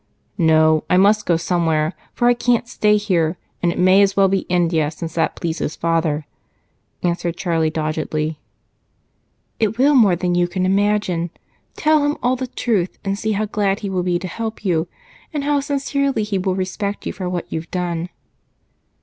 "No I must go somewhere, for I can't stay here, and it may as well be India, since that pleases Father," answered Charlie doggedly. "It will more than you can imagine. Tell him all the truth, and see how glad he will be to help you, and how sincerely he will respect you for what you've done."